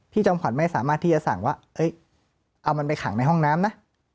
จอมขวัญไม่สามารถที่จะสั่งว่าเอามันไปขังในห้องน้ำนะ